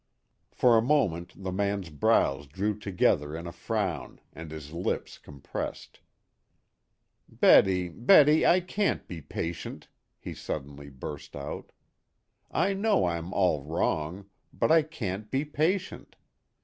For a moment the man's brows drew together in a frown and his lips compressed. "Betty, Betty, I can't be patient," he suddenly burst out. "I know I'm all wrong; but I can't be patient.